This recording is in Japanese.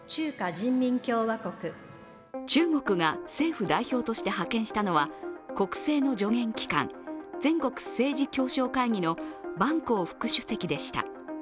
中国が政府代表として派遣したのは国政の助言機関全国政治協商会議の万鋼副主席でした。